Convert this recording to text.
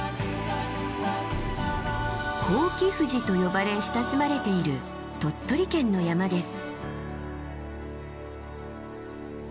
伯耆富士と呼ばれ親しまれている鳥取県の山です。